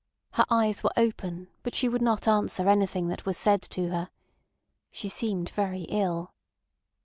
Her eyes were open, but she would not answer anything that was said to her. She seemed very ill.